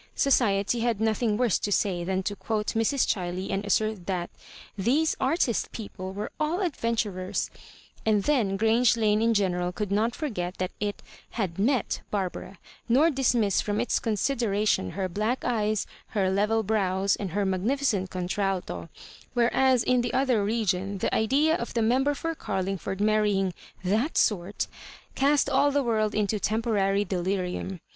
Society had nothing worse to say than to quote Mrs. Chiley, and assert that "these artist peo ple were all adventurers ;" and then Grange Lane m general could not forget that it " had met" Barbara, nor dismiss from its considera tion her black eyes, her level brows, and her magnificent contralto; whereas in the other region the idea of the Member for Carlingford marrying "that sort I " cast all the world into temporary delirium.